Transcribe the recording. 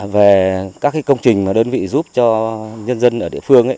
về các công trình mà đơn vị giúp cho nhân dân ở địa phương